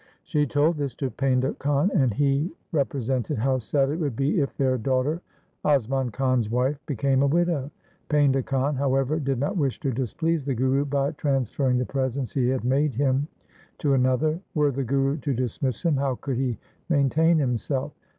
She told this to Painda Khan, and re presented how sad it would be if their daughter, Asman Khan's wife, became a widow. Painda Khan, however, did not wish to displease the Guru by transferring the presents he had made him to another. Were the Guru to dismiss him, how could he maintain himself